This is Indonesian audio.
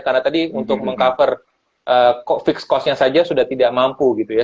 karena tadi untuk meng cover fixed cost nya saja sudah tidak mampu gitu ya